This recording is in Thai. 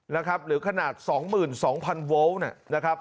นะครับหรือขนาด๒๒๐๐โวลต์นะครับ